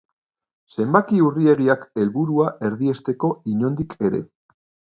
Zenbaki urriegiak helburua erdiesteko inondik ere.